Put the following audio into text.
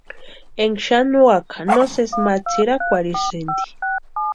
Énka xanuawaka no sési ma tsʼirakwarhisïnti.